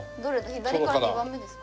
左から２番目ですか？